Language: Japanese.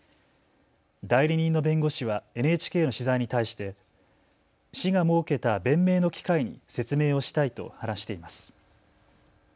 代理人の弁護士はＮＨＫの取材に対して市が設けた弁明の機会に説明をしたいと話しています。